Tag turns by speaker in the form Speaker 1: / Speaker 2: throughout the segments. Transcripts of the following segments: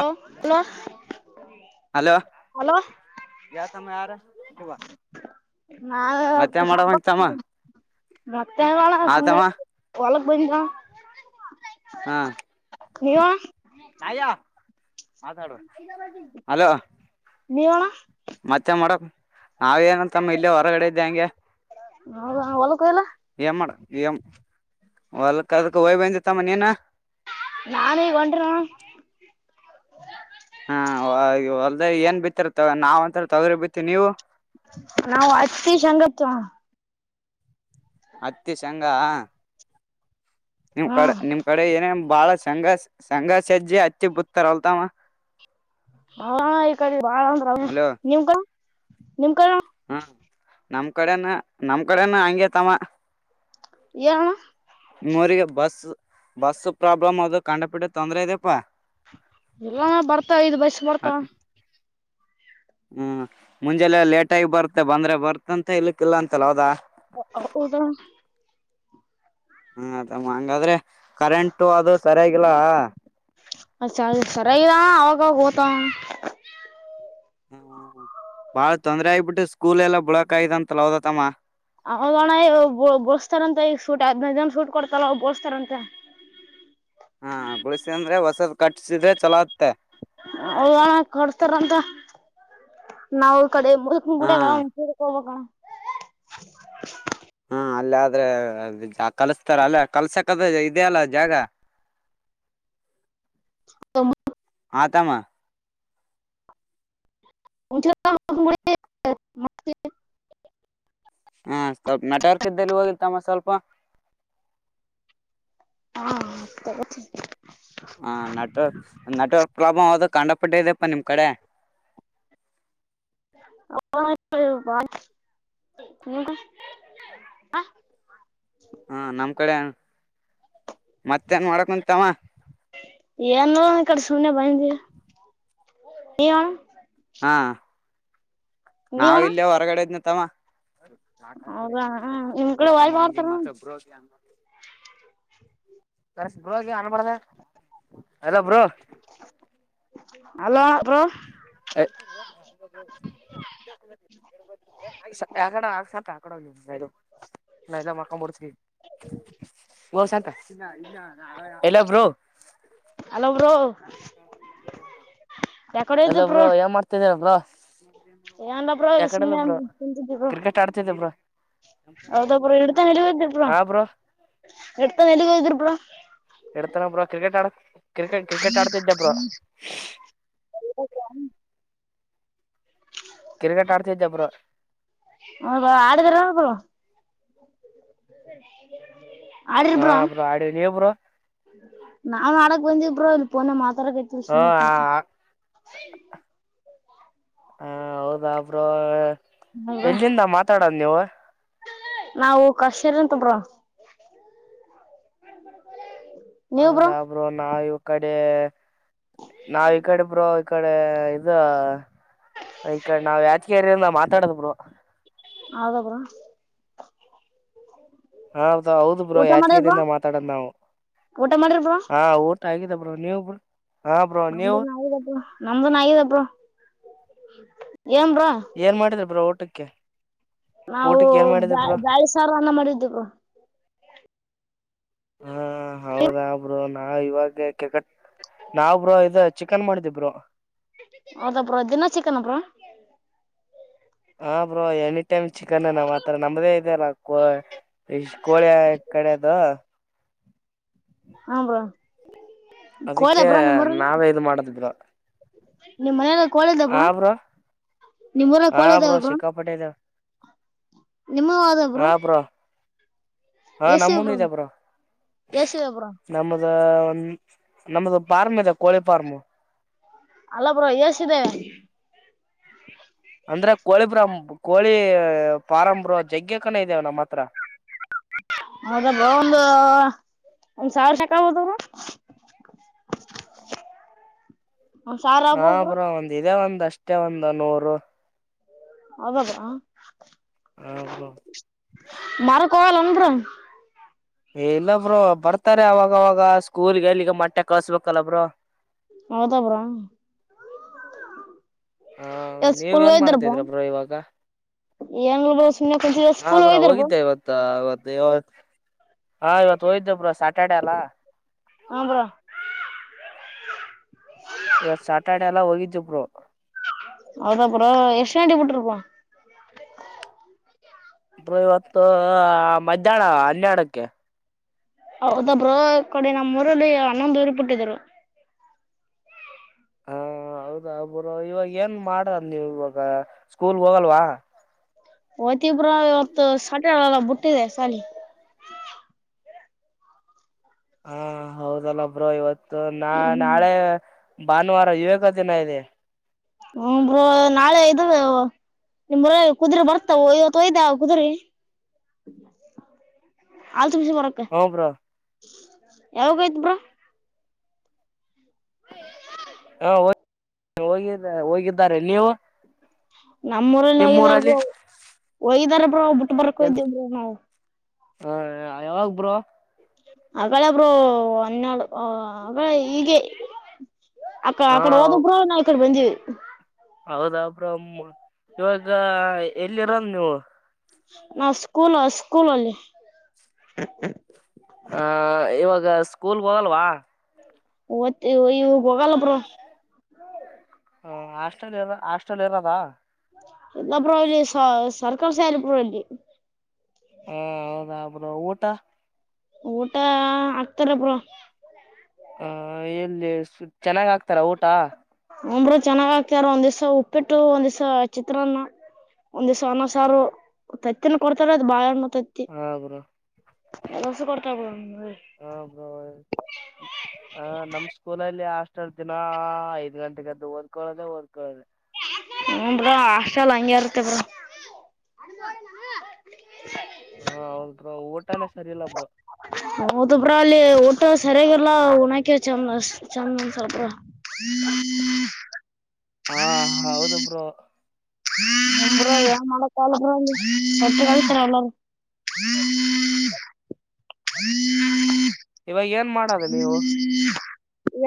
Speaker 1: Hello ಹಲ
Speaker 2: hello ಯಾವತಮ್ಮ ಯಾರ ಇ
Speaker 1: ನಾ
Speaker 2: ಮತ್ತೆ ಮಾಡತಮ್ಮ
Speaker 1: ರ ತಳ ಸುಮ್ಮ ಒಳ ಬಗಾ
Speaker 2: ಹಾ
Speaker 1: ನೀವು ಹ್ಮ ಆ
Speaker 2: ಮಾತಾಡುವ ಅಲೋ
Speaker 1: ನೀವಣ
Speaker 2: ಮತ್ತೆ ಮಾಡಕ್ ನಾವೇಏನಂತಮ್ಮ ಇಲ್ಲೇ ಹೊರಗಡೆ ಇದ್ದೆ ಹಂಗೆ
Speaker 1: ಹೌದ ಒಲ ಕಹಲ
Speaker 2: ಏನ್ ಮಾಡ ಹೊಲ್ಕ್ ಅದಕ್ ಹಯ್ಬಂದಿತ್ತಮ್ಮ ನೀನ
Speaker 1: ನಾನೇ ಕೊಂರ
Speaker 2: ಅದ ಏನ್ ಬಿತ್ತರ ನಾವ್ ಅಂತ ತೊಗ್ರ ಬಿತ್ತತಿ ನೀವು
Speaker 1: ನಾವು ಹಷ್ಟಂಗತ್ತು
Speaker 2: ಹತ್ತೆ ಶಂಗಾ ನಿಮ್ ಕಡೆ
Speaker 1: ಹ್ಮ್
Speaker 2: ನಿಮ್ ಕಡೆ ಏನೇ ಬಾಳ ಸಂಘ ಸಂಘಾ ಸಜಿ ಅಚ್ಚಿ ಪುತ್ರರ ಹಳ್ತಾಮ
Speaker 1: ಹಾ ಈ ಕಡೆ ಬಾಳ ಅಂದ್ರ ಅವ
Speaker 2: ಅಲೋ
Speaker 1: ನಿವ್ಗ ನಿಮ್ ಕ
Speaker 2: ಹ್ಮ ನಮ್ ಕಡೆನ ನಮ್ ಕಡೆನ ಹಂಗೆ ತಮ್ಮ
Speaker 1: ಏನಣ
Speaker 2: ಇರಿಗೆ ಬಸ್ ಬಸ್ ಪ್ರಾಬ್ಲಮ್ ಅದಕ್ಕ ಕಂಡಪೀಟ್ಟ ತೊಂದ್ರೆ ಇದ್ಯಪ್ಪಾ
Speaker 1: ಎಲ್ಲಾ ಬರ್ತಾ ಐದ್ ಬಯಸ ಬರ್ತ
Speaker 2: ಹ್ಮ ಮುಂಜೆಲ್ಲೆ ಲೇಟಾಗಿ ಬರ್ತ್ತೆ ಬಂದ್ರೆ ಬರ್ತಂತ ಇಲಿಕ್ಕ ಇಲ್ಲ ಅಂತಲ್ಲ ಹದಾ
Speaker 1: ಹ ದ
Speaker 2: ಹ ಅದ ಹಂಗಾದ್ರೆ ಕರೆಂಟ್ ಅ ಸರಿಯಾಗಿ ಲ್ಲಾ
Speaker 1: ಅ ಚ ಅ ಸರಿಗದ ಅವಾಗವಾಗ ಹತ
Speaker 2: ಹ ಬಾಳ ತೊಂದ್ರೆ ಆಗ್ಬಿಟ್ಟು ಸ್ಕೂಲ್ ಎಲ್ಲ ಬಳಕ ಆ ಅಂತಲ ಹೋದತಮ್ಮ
Speaker 1: ಹೌದ ಹಣ ಬುಳಸ್ತಾರಂತೆ ಈಗ ಶೂಟ್ ಹದ್ನೈ ದನ ಶೂಟ್ ಕೊಡ್ತಲ್ಲ ಬುಳಸ್ತಾರಂತೆ
Speaker 2: ಹಾ ಬಿಳಸಿ ಅಂದ್ರೆ ಕಟ್ಸಿದ್ರೆ ಚಲಗ್ತಾ
Speaker 1: ಅವಣ ಕೊಡ್ತಾರಂತ ನಾವ್ ಈ ಕಡೆ ಮುಡ
Speaker 2: ಹಾ
Speaker 1: ಹೋಗ [unintelligible]
Speaker 2: ಹಾ ಅಲ್ಲ ಆದ್ರೆ ಕಲ್ಸ್ತಾರ ಅಲ್ಲ ಕಲ್ಸಕದ ಇದೆ ಅಲ್ಲ ಜಾಗ
Speaker 1: ತಮ್ಮ
Speaker 2: ಆತಾಮ
Speaker 1: [unintelligible]
Speaker 2: ಹಾ ಸ್ವಲ್ಪ ನೆಟವರ್ಕ್ ಇದ್ದಲ್ಲಿ ಹೋಗಿರ್ತಮ್ಮ ಸ್ವಲ್ಪ
Speaker 1: ಹಾ
Speaker 2: ಹಾ ನೆಟ್ ನೆಟ್ವರ್ಕ್ ಪ್ರಾಬ್ಲ್ ಯದು ಕಂಡಪಟ್ಟಿದೆ ಅ ನಿಮ್ಮ ಕಡೆ
Speaker 1: [unintelligible]
Speaker 2: ಹಾ ನಮ್ ಕಡೆ ಮತ್ತೇ ನ್ ಮಾಡಕ್ ಕುಂತಾಮ
Speaker 1: ಏನು ಏನು ಹಣ
Speaker 2: ಹಾ
Speaker 1: ನೀವ್
Speaker 2: ನಾವ್
Speaker 1: ಅಣ್ಣ
Speaker 2: ಇಲ್ಲೇ ಹೊರಗಡೆದ್ ತಮ್ಮ ಲಾಟ ಕೊಡಿ
Speaker 1: ಹೌದಾ ನಿಮ್
Speaker 2: ಹ
Speaker 1: ಕಡೆ ವಾಯ್
Speaker 2: ತಮ್ಮ ಅಂಜಿ
Speaker 1: ಮಾಡ್ತಾರ
Speaker 2: ಮಾತ್ರ ಬೋಗ ಕ ಬ ಅನ್ಬಾರ್ದ ಅಲ್ಲ ಬ್ರೋ
Speaker 1: ಅಲೋ ಬ್ರೊ
Speaker 2: ಹ್ಮ್ ಆ ಯಕಡೆ ಆಗಸಪ ಆಕಡೆದು ನಾ ಎಲ್ಲಾ ಮಾಡಕಂಬಡ್ತವಿ ಹಂತ ಎಲ್ಲಬ್ರು
Speaker 1: ಹಲೋ ಬ್ರೋ ಯಾಕಡೆ
Speaker 2: ಎಲ್ಲೊ ಬ್ರೋ ಏನ್ ಮಾಡ್ತಿದರ ವಾಹ್
Speaker 1: ಏನ್ಲ್ಲ ಬ್ರೋ.
Speaker 2: ಕ್ರಿಕೆಟ್ ಆಡ್ತಿದ್ದೆ ಬ್ರೋ
Speaker 1: ಹೌದ ಬ್ರೊ ಇಡ್ತನ ನೆಲ್ಲಿಗಿ ಹೋಗಿದ್ರಿ ಬ್ರೊ
Speaker 2: ಹಾ ಬ್ರೋ
Speaker 1: ಇಡ್ತನ ನೆಲ್ಲಿಗಿ ಹೋಗಿದ್ರಿ ಬ್ರೊ ಹ್ಮ್
Speaker 2: ಇಡ್ತಾನ ಬ್ರ ಕ್ರಿಕೆಟ್ ಆಡಕ್ ಕ್ರಿಕೆಟ್ ಕ್ರಿಕೆಟ್ ಆಡ್ತಿದ್ದೆ ಬ್ರ ಆಡ್ತಿದ್ದೆ ಬ್ರೋ
Speaker 1: ಹೌದ ಆಡಿದ್ರ ಅ ಬ್ರಾ [inaudible]
Speaker 2: ಹಾ ಬ್ರೋ ಆಡಿ ನೀವು ಬ್ರೋ
Speaker 1: ನವು ಆಡೋಕ್ ಬಂದು ರೋ ಮಾತ್ರ ತರ ಕತಷ
Speaker 2: ಹ
Speaker 1: ನಕ
Speaker 2: ಹ ಹೌದಾ ಬ್ರೋ. ಎಲ್ಲಿಂದ ಮಾತಾಡೋದು ನೀವು.
Speaker 1: ನಾವು ಕಾಶ್ಮೀರ ಅಂತ್ ಬ್ರೋ ನೀವ್ ಬ್ರೋ
Speaker 2: ಹೌದ ಬ್ರೋನಾವ ಕಡೆ. ನಾವ್ ಈ ಕಡೆ ಬ್ರೋ. ಈ ಕಡೆ ಇದ ಈ ಕಡೆ ನಾವ್ ಯಾಚಗೇರಿಯಿಂದ ಮಾತಾಡದರು.
Speaker 1: ಹೌದ ಬ್ರೂ
Speaker 2: ಹೌ ಹೌದು ಬ್ರೋ
Speaker 1: ಊಟ ಮಾಡಿದ್ರಿ ಬ್ರೋ
Speaker 2: ಯಾಕಿಯದಿಂದ ಮಾತಾಡದ್ ನಾವು
Speaker 1: ಊಟ ಮಾಡಿದ್ರಿ
Speaker 2: ಹ. ಆಗಿದೆ ಬ್ರೋ ನೀವು ಬ್ರೋ. ಹಾ ಬ್ರೋ
Speaker 1: ನಮ್ದು
Speaker 2: ನೀವು
Speaker 1: ನಿದಬ್ರು ನಮ್ದು ನಾಯಿದಬ್ರು.
Speaker 2: ಏನ್ ಮಾಡಿದ್ರಿ ಬ್ರೋ. ಟ್ಟಕ್ಕೆ.
Speaker 1: ನಾವು ದಾ ದಾಳಿ ಸಾರನ್ನ ಮಾಡಿದ್ದೇವ. ಹ.
Speaker 2: ನಾ ಇವಾಗ ಕೆಗಟ್ಟ. ನಾವವುರ ಇದ ಚಿಕನ್ ಮಾಡಿದ್ದೇ. ಅ್ರ.
Speaker 1: ಹೌದಬ್ರ ದಿನಾ ಚಿಕನ್ಬ್ರ.
Speaker 2: ಹ ಬ್ರೋ ಎನಿ ಟೈಮ್ ಚಿಕನ್ ನಾವ್ ಆತರ ನಮ್ಮ್ದೇ ಇದಲ್ಲ. ಇ ಕೋಳೆ ಕಡೆ ಅದು.
Speaker 1: ಹ ಬ್ರೊ
Speaker 2: ಅದಕ್ಕೆ ನಾವೇ ಇದು ಮಾಡದಿದ್ರ
Speaker 1: ನಿಮ್ಮನಾಗ
Speaker 2: ಆ ಬ್ರ
Speaker 1: ನಿಮ್ಮೂರಲ್ಲಿ
Speaker 2: ಹ
Speaker 1: ಕೋಳಿ
Speaker 2: ಬ್ರೋ
Speaker 1: ಇದಾವ
Speaker 2: ಸಿಕ್ಕಾಪಟೆ ಇದ
Speaker 1: ನಿಮ್ಮವು ಅದಾವ ಬ್ರೋ
Speaker 2: ಆ ಬ್ರ ಹಾ ನಮ್ಮನು ಇದ ಬ್ರೋ
Speaker 1: ಎಷ್ಟಿವೆ ಬ್ರೋ
Speaker 2: ನಮ್ಮ್ದ ಒಂದ. ನಮದು ಫಾರ್ಮ್ ಇಲ್ಲ ಕೋಳಿ ಫಾರಮು.
Speaker 1: ಅಲ್ಲ ಬ್ರ ಎಸಿದೆ.
Speaker 2: ಅಂದ್ರ ಕೋಳಿ ಪ್ರ ಕೋಳಿ ಪ್ರಾರಂಭ ಜಜಗ್ಗೆ ಕನ ಇದೇವ ನಮ್ಮ್ ಹತ್ರ.
Speaker 1: ಮದ ಬ ಒಂದು ಒಂದ ಸಾವಿರ ಶಕ ಹದವ್ರ.
Speaker 2: ಹ ಬ್ರೋ ಒಂದ್ ಇದ ಒಂದ. ಅಷ್ಟೇ ಒಂದು ನೂರು.
Speaker 1: ಅವಾಗ.
Speaker 2: ಬ್ರೋ.
Speaker 1: ಕಲಂದರ
Speaker 2: ಏ ಇಲ್ಲ ಬ್ರೋ ಬರ್ತಾರೆ ಅವಾಗವಾಗ ಸ್ಕೂಲ್ಗೆಲ್ಲಿಗ ಮಟ್ಟೆ ಕಳ್ಸ್ಬೇಕಲ್ಲಬ್ರ
Speaker 1: ಹೌದಾ ಬ್ರೋ [unintelligible]
Speaker 2: ಹ
Speaker 1: ಎ
Speaker 2: ನೀವ್
Speaker 1: ಸ್ಕೂಲ್
Speaker 2: ಏನ್
Speaker 1: ಹಯ್ದರ್ ಬಾ
Speaker 2: ಮಾಡ್ತಿದ್ರ ಬ್ರೋ ಇವಾಗ
Speaker 1: ಏಂಗಬ ಸುಮ್ಮನೆಂಚ ಸ್ಕೂಲ್
Speaker 2: ಬ್ರೋ
Speaker 1: ಹೋಯ್ದರ್ ಬ
Speaker 2: ಹೋಗಿದ್ದೆ
Speaker 1: [unintelligible]
Speaker 2: ಇವತ್ತು ಹಾ ಇವತ್ತು ಹೋಯ್ದ ಪ ಸಾ ಸಾಟರ್ಡೆ ಅಲ್ಲ
Speaker 1: ಹಾ ಬ್ರೋ
Speaker 2: [unintelligible] ಇವತ್ತು ಸಟಾಡಿ ಎಲ್ಲ ಹೋಗಿದ್ದುಬ್ರು
Speaker 1: ಹೌದಾ ಬ್ರೊ ಎಷ್ಟು ಗಂಟೆಗೆ ಬಿಟ್ರಿ ಬ್ರೋ
Speaker 2: ಬ್ರೋ ಇವತ್ತು ಮಧ್ಯಾಹ್ನ ಹನ್ಯಡಕ್ಕೆ
Speaker 1: ಹೌದು ಬ್ರೊ ನಮ್ಮ್ ಊರಲ್ಲಿ ಹನ್ನೊಂದ್ ಊರಿ ಪುಟ್ಟಿದ್ರು
Speaker 2: ಹಾ ಹೌದಾ ಬ್ರೋ ಇವಾಗ ಏನ್ ಮಾಡದ್ ನೀವು ಇವಾಗ ಸ್ಕೂಲ್ ಹೋಗಲ್ವಾ [unintelligible]
Speaker 1: ಒ [unintelligible] ಹೋಗ್ತಿವಿ ಬ್ರೋ ಇವತ್ತು ಸಂಡೇ ಅಲ ಬಿಟ್ಟಿವಿ ಸಾಲಿ [unintelligible]
Speaker 2: ಹಾ ಹೌದಲ್ಲ ಬ್ರೋ ಇವತ್ತು ನಾ ನಾಳೆ ಭಾನುವಾರ ವಿವೇಕ ದಿನ ಇದೆ
Speaker 1: ಹ ನಾಳೆ ಇದ ನಿಮ್ಮ ಊರಾಗ ಕುದುರೇ ಬರ್ತಾವವತ್ತು ಒಯ್ದ ಕುದುರಿ ತುಂಬೇಸಂಬರಕ
Speaker 2: ಹೂ ಬ್ರೋ
Speaker 1: ಯಾವಾಗ ಹೋಗಿದ್ದಿ ಬ್ರೋ
Speaker 2: ಹಾ ಹ ಹೋಗ ಹೋಗಿದ್ದಾರೆ ನೀವು
Speaker 1: ನಮ್ಮ್ ಊರಲ್ಲಿ ಒಯ್ದರ್
Speaker 2: ನಿಮ್ಮೂರಲ್ಲಿ
Speaker 1: ಒಯ್ದಾರ ಹೌ ಬರಕ ದ ನಾವು
Speaker 2: ಹಾ ಯಾವಾಗ ಬ್ರೋ
Speaker 1: ಹಗಳ ಬ್ರೋ ಹನ್ನೆರಡು ಹಗ ಅಕ್ಕ ಅಕ್ಕಡೆ ಓದ್ರು ಬ್ರೋ ನಾ ಇಕ್ಕಡೆ ಬಂದಿವಿ
Speaker 2: ಹೌದ ಬ್ರೋ ಇವಾಗ ಎಲ್ಲಿರನ್ ನೀವು
Speaker 1: ನ ಸ್ಕೂಲ್ ಸ್ಕೂಲ್ ಅಲ್ಲಿ
Speaker 2: ಹ ಇವಾಗ ಸ್ಕೂಲ್ ಹೋಗಲ್ವಾ
Speaker 1: ಇವಾಗ ಹೋಗಲ್ಲ ಬ್ರೋ
Speaker 2: ಹ ಹಾಸ್ಟೆಲ್ ಇ ಹಾಸ್ಟೆಲ್ ಇರದಾ
Speaker 1: ಎಲ್ಲ ಬ್ರೋ ಸರ್ಕಾರಿ ಸಾಲಿ ಬ್ರೋ ಇಲ್ಲಿ
Speaker 2: ಹಾ ಹೌದಾ ಊಟ
Speaker 1: ಊಟ ಆಕ್ತಾರೇ ಬ್ರೋ [unintelligible]
Speaker 2: ಹ ಎಲ್ಲಿ ಚೆನ್ನಾಗ್ ಆಗ್ತಾರ ಊಟ
Speaker 1: ಒಂಬರು ಚೆನ್ನಾಗ್ ಆಗ್ತಾರ ಒಂದ್ ದಿವಸ ಉಪ್ಪಿಟ್ಟು ಒಂದ್ ದಿವಸ ಚಿತ್ರಾನ್ನ ಒಂದ್ ದಿವಸ ಅನ್ನ ಸಾರು ತತ್ತಿನ ಕೊಡ್ತಾರ ಅದು ಬಾಳಿಹಣ್ಣ
Speaker 2: ಹೋಗ್ರ
Speaker 1: ಕೆಲಸ ಕೊಡ್ತ ಹ
Speaker 2: ಹ ಆ ನಮ್ ಸ್ಕೂಲಲ್ಲಿ ಅಷ್ಟ ಎಷ್ಟರ ದಿನ ಐದ ಗಂಟೆಗೆದ್ದ ಓದಕೊಳ್ಳದೇ ಓದ್ಕೊಳ್ಳೆ
Speaker 1: ಹ ಹಾಸ್ಟೆಲ್ ಹಂಗಗೆರ್ತ ಬ್ರೋ
Speaker 2: ಹಾ ಅವ್ರ ಒ ಅಟ್ಟಾನ ಸರಿಯಲ್ಲ ಬ್ರೋ
Speaker 1: ಹೌದ ಬ್ರೋ ಅಲ್ಲಿ ಊಟ ಸರಿಯಾಗಿರ್ಲ್ಲ ಉಣಾಕೆ ಚಂದ ಚಂದ ಅಂದ ಸ್ವಲ್ಪ
Speaker 2: ಹಾ ಹೌದುಬ್ರೋ
Speaker 1: ಮಳೆ ಕಾಲತಾರೆ ಎಲ್ಲ
Speaker 2: ಇವಾಗ ಏನ್ ಮಾಡದು ನೀವು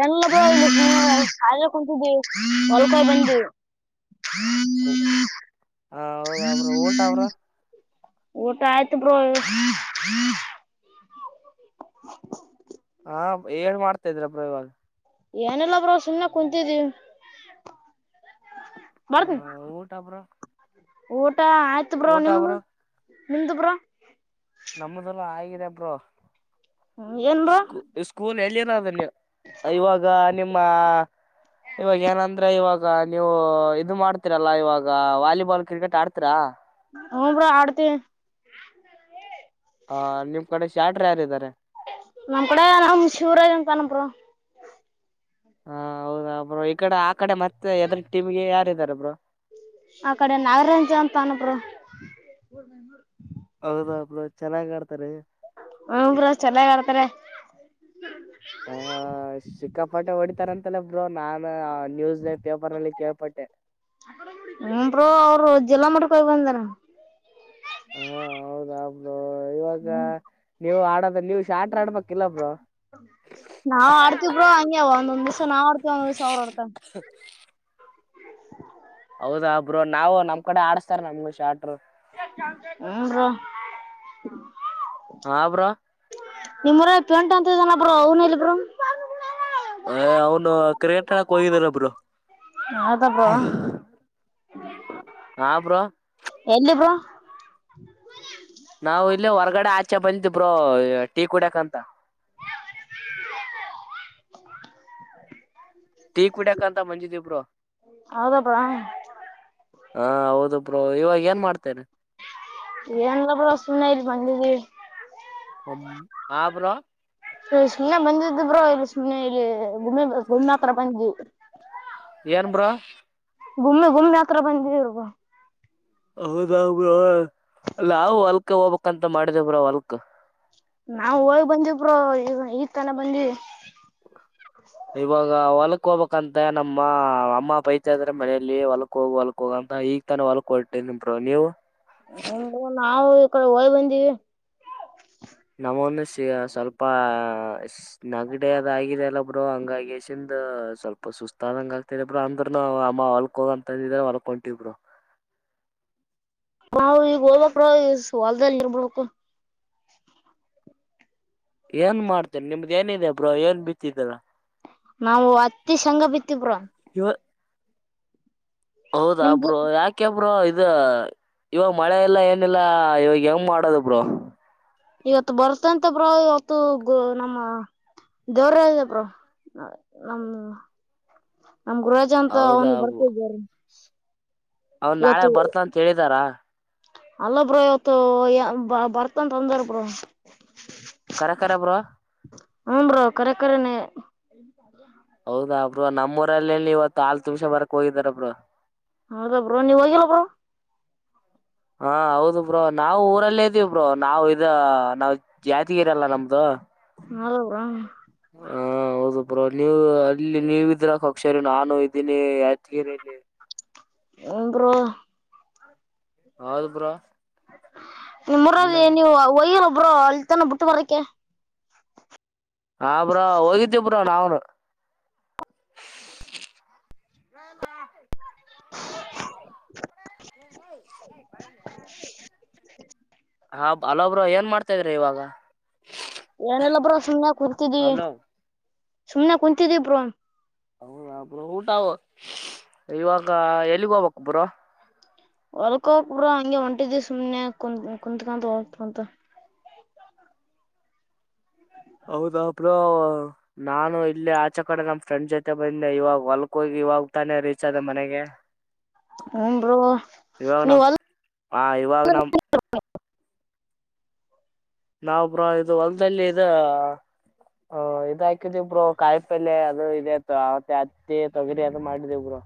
Speaker 1: ಎಲ್ಲದ ಶ ಕುಂತಿದ್ದಿ ಹೊಲ್ಕಾಯ ಬಂದು
Speaker 2: ಹ ಹಾ ಹೌದ ಅವ್ರ ಊಟ ಅವ್ರ
Speaker 1: ಊಟ ಆಯ್ತ್ ಬ್ರೋ
Speaker 2: ದ್ರಪವ
Speaker 1: ಏನೆಲ್ಲ ಬ್ರೋ ಸುಮ್ನೆ ಕುಂತಿದೀವಿ
Speaker 2: ಹ
Speaker 1: ಬರ್ತೀನಿ
Speaker 2: ಊಟ ಬ್ರೋ
Speaker 1: ಊಟ ಊ ಆಯ್ತು ಬ್ರೋ
Speaker 2: ಊಟ
Speaker 1: ನಿಮ ನಿಮ್ದು ಬ್ರೋ
Speaker 2: ನಮ್ಮಸಲ ಆಗಿದೆ ಬ್ರೋ
Speaker 1: ಏನ್ ಬ್ರೋ
Speaker 2: ಸ್ಕೂಲ್ ಎಲ್ಲಿ ಅದೇ ಇವಾಗ ನಿಮ್ಮ ಇವಾಗ ಏನಂದ್ರೆ ಇವಾಗ ಈ ನೀವು ಇದು ಮಾಡ್ತೀರಲ್ಲಾ ಇವಾಗ ವಾಲಿಬಾಲ್ ಕ್ರಿಕೆಟ್ ಆಡ್ತೀರಾ
Speaker 1: ಹ ಬಿಡ ಆಡ್ತ
Speaker 2: ಹ ನಿಮ್ ಕಡೆ ಚಾಟ್ರ ಯಾರ ಇದ್ದಾರೆ
Speaker 1: ನಮ ಕಡೆ ನ ಶೂರ ಆಗಂ ಕ ಬ್ರೋ
Speaker 2: ಹಾ ಹೌದ್ರ ಈ ಕಡೆ ಆ ಕಡೆ ಮತ್ತೆ ಎದ್ರ ಟಮ್ಗೆ ಯಾರಾರೆ ್
Speaker 1: ಆ ಕಡೆ ನಾಗರಂಜ ಅಂತ ಅನಬ ಹ
Speaker 2: ಹೌದಬ್ಳ ಚೆನ್ನಾಗ್ ಆಡ್ತಾರೆ
Speaker 1: ಹ್ರ ಚೆನ್ನಾಗರ್ತಾರೆ
Speaker 2: ಹ ಶಕ್ಕಾಪಾಟ ಹೊಡ ಅಂತಲಬ್ರು ನಾ ನ್ಯೂಸ್ ಲೈ
Speaker 1: ನಿರು ಅವರುಜ್ ಎಲ್ಲ ಮಾಡಕ ಕೊಗಂದನ
Speaker 2: ಹಾ ಹೌದ್ ಆಗ್ದು ಇವಾಗ ನೀವು ಆಡ
Speaker 1: ನಾವ ಅಡ್ಕ್ಕೆಪರ ಅಂ ಒಂದೊ ಒಂದುಷ ನಾವ ಅಡ್ತ ಒಂದ ಸಾವಿರ ಹೊಡ್ತ
Speaker 2: ಹೌದಾಬ್ರು ನಾವು ನಮ್ ಕಡೆ ಆಡಿಸಸ್ತಾರೆ ನಮ್ಗೆ ಶಾಟ್
Speaker 1: ಹ್ಮ ಹ್ಮ
Speaker 2: ಹ ಹಬ್ರ
Speaker 1: ನಿಮ್ಮರ ಪೇಂಟ್ ಅಂತಿದಾನ ಬ್ರ ಅವನು ಇಲ್ಲಿ ಬ್ರರು
Speaker 2: ಅ ಅವ್ನು ಕ್ರೇಟಣಕ್ ಹೋಗಿದಾನೊಬ್ರು
Speaker 1: ಹೌದಬ
Speaker 2: ಹಾ ಬ್ರೋ
Speaker 1: ಎಲ್ಲಿ ಬೋ
Speaker 2: ಇಲ್ಲ ಹೊರ್ಗಡೆ ಆಚೆ ಬಂದಬರು ಟೀ ಕುಡಕಂತ ಟ ಕುಡ್ಯಾಕಂತ ಮಂಜಿದಿಬ್ರು
Speaker 1: ಹೌದಬಾ
Speaker 2: ಹಾ ಹೌದು ಬ್ರೋ ಇವಾಗ ಏನ್ ಮಾಡ್ತೇನೆ
Speaker 1: ಎನ್ಲ್ಲ ಬಸು ನ ಮ
Speaker 2: ಆಪರ
Speaker 1: ಇ ಸುಮ್ಮನೆ ಬಂದಿದಬ್ರೋ ಇಲ್ಲಿ ಸುಮ್ಮನೆ ಇಲ್ಲಿ ಗುಮ್ಮಿ ಗುಮ ಹತ್ರರ ಬಂದೀವಿ
Speaker 2: ಏನು ಬ್ರಾ
Speaker 1: ಗುಮ್ಮಿ ಗುಮ್ಮಿ ಹತ್ರ ಬಂದಿದರ್ಗ
Speaker 2: ಹೌದ ಬ ನಾವು ಹೊಲ್ಕ ಹೋಗ್ಕ್ಂತ ಮಾಡಿದೇ ಬ್ರ ಹೊಲ್ಕ
Speaker 1: ನಾವವು ಹೋಗ ಬಂದಿವ ಬ್ರೋ ಈ ಈ ತನ ಬಂದಿವವಿ
Speaker 2: ಇವಾಗ ಒಳಕ್ ಹೊಕ್ಕ ಹಬೇಕಂತ ನಮ್ಮ ಅಮ್ಮ ಪೈತ ಆದ್ರೆ ಮನಲಿ ಹೊಲಕ್ ಹೋಗಿ ಹೊಲಕ್ ಹೋಗಂತ ಈಗ ತಾನ ಹೊಲಕ್ ಹೊರ್ಟ್ಟೇ ನಿರು ನೀವು
Speaker 1: ಹ ನಾವು ಡೆ ಹೋಳಿ ಬಂದಿವವಿ
Speaker 2: ನಾವನು ಸ್ವಲ್ಪ ನಗಡದಗಿದಲ್ಲಬರು ಹಂಗಗೆಸಿಂದ ಸ್ವಲ್ಪ ಸುಸ್ತಾದಂಗ ಆಗ್ತರಿಬ್ರರು ಅಂದ್ರನು ಅಮ್ಮ ಹೊಲ್ಕೋಗಂತಂದಿದ್ರ ಹೊಲ್ಕೊಂತಬರು
Speaker 1: ನಾವವು ಈಗ ಹೋಬೇಕ್ರ ಈ ಹೊಲ್ದದಲ್ಲಿ ಇರ್ಬಿಡ್ಬೇಕು
Speaker 2: ಏನ್ ಮಾಡ್ತೇನೆ ನಿಮ್ದ ಏನಿದೆ ಬ್ರೋ ಏನ್ ಬಿತ್ತಿದಲ್ಲ
Speaker 1: ನಾವು ಹತ್ತಿ ಶಂಗ ಬಿತ್ತಬ್ರ
Speaker 2: ಇವ ಹೌದಾ ಬ್ರೋ ಯಾಕೆ ಬ್ರೋ ಇ ಇವಾಗ ಮಳೆ ಎಲ್ಲ ಏನಿಲ್ಲ ಇವಾಗ ಹೆಂಗ್ ಮಾಡೋದು ಬ್ರೋ
Speaker 1: ಇವತ್ತು ಬರ್ತಂತ ಬ್ರೋ ಇವತ್ತು ಗ ನಮ್ಮ ದೇವ್ರ ಹೇಳಿದ್ರು ಬ್ರೋ ನಮ್ ಗುರಜ ಅಂತ
Speaker 2: ಹೌದಾ
Speaker 1: ಅವ್ನಿಗೆ ಬರ್ತಿದ್ಯಾರ
Speaker 2: ಅವನ್ ನಾಳೆ ಬರ್ತ ಅಂತ ಹೇಳಿದಾರ
Speaker 1: ಅಲ್ಲ ಬ್ರೋ ಇವತ್ತು ಬ ಬರ್ತನ್ಂದಾರ ಬ್ರೋ
Speaker 2: ಕರ ಕರ ಬ್ರೋ
Speaker 1: ಹೂ ಬ್ರೋ ಕರಕರ ನೇ
Speaker 2: ಹೌದಾ ಬ್ರೋ ನಮ್ಮೂರಲ್ಲಲ್ಲಿ ಇವತ್ತು ಆಲ್ ಹಾಲು ತುಂಬಿಸಿಕೊಂಡು ಬರಕ್ಕೆ ಹೋಗಿದ್ದಾರೆ ಬ್ರೋ
Speaker 1: ಹೌದ ಬ್ರೋ ನೀವ್ ಹೋಗಿಲ್ಲ ಬ್ರೋ
Speaker 2: ಹಾ ಹೌದು ಬ್ರೋ ನಾವು ಊರಲ್ಲೇ ಇದೀವಿ ಬ್ರೋ ನಾವವು ಇದ ನಾವ್ ಜಾತಿಗೆರಲ್ಲ ನಮ್ದು
Speaker 1: ಹೌದಾ ಬ್ರೋ ಹ
Speaker 2: ಬ್ರೋ ನೀವು ಅಲ್ಲಿ ನೀವ ಇದ್ರ ಫಂಕ್ಷನ್ ನಾನು ಇದ್ದೀನಿ ಯಾಜಗಿರಿಲ್ಲಿ
Speaker 1: ಹೋ ಬ್ರೋ
Speaker 2: ಹೌದು ಬ್ರೋ ಅಣ್ಣ
Speaker 1: ನಿಮ್ಮೂರಲ್ಲಿ ವೈರು ಬ್ರೋ ಅಲ್ಲಿತಾನ ಬಿಟ್ಟ ಬರಕ್ಕೆ
Speaker 2: ಹ ಬ್ರೋ ಹೋಗಿದ್ದೇ ಬ್ರ ನಾವನು
Speaker 1: [unintelligible]
Speaker 2: ರ ಹ ಹಲೋ ಬ್ರೋ ಏನ್ ಮಾಡ್ತಾ ಇದ್ದೀರಾ ಇವಾಗ
Speaker 1: ಏನಿಲ್ಲ ಬ್ರೋ ಸುಮ್ಮನೆ ಕೂತಿದೀವಿ
Speaker 2: ಹಲೋ
Speaker 1: ಸುಮ್ನೆ ಕುಂತಿದೀವಿ ಬ್ರೋ
Speaker 2: ಹೌದಾ ಬ್ರೋ ಊಟ ಇವಾಗ ಎಲ್ಲಿಗೆ ಹೋಗ್ಬೇಕು ಬ್ರೋ
Speaker 1: ಹೊಲ್ಕೋಗಕ್ಬ್ರ ಹಂಗೆ ಹೊಂಟಿದಿ ಸುಮ್ನೆ ಕುತ್ ಕುತ್ಕಂತ ಹೊಲ್ತ ಕುಂತ
Speaker 2: ಹೌದಾ ಬ್ರೋ ನಾನು ಇಲ್ಲಿ ಆಚೆ ಕಡೆ ನಮ್ ಫ್ರೆಂಡ್ ಜೊತೆ ಬಂದೆ ಇವಾಗ ಹೊಲ್ಕ್ ಹೋಗಿ ಇವಾಗ್ ತಾನೆ ರೀಚ್ ಆದದೆ ಮನೆಗೆ
Speaker 1: ಹೂ ಬ್ರೋ
Speaker 2: ಇವಾಗ
Speaker 1: ನೀವು
Speaker 2: ನಮ್
Speaker 1: ಹೊಲಕ್ಕೆ
Speaker 2: ಆ ಇವಾಗ ನಮ್ ನಾವ ಬ್ರೋ ಇದು ಅ ತೋಟದಲ್ಲಿ ಇದು ಇದ ಹಾಕಿದ ಇಬ್ರು ಕಾಯಿ ಪಲೆ ಅದು ತ್ತೆ ಅತ್ತೆ ತೊಗರಿ ಅಂತ ಮಾಡಿದಬ್ರು